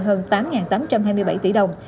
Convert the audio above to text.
hơn tám tám trăm hai mươi bảy tỷ đồng